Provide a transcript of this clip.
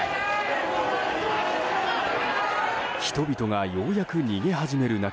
人々がようやく逃げ始める中